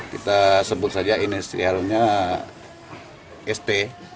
kita sebut saja inisialnya st